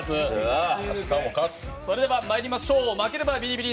まいりましょう、「負ければビリビリ！